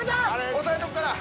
押さえとくから。